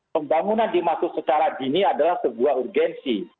pembangunan dimaksud secara dini adalah sebuah urgensi